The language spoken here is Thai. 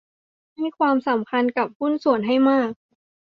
ให้ความสำคัญกับหุ้นส่วนให้มาก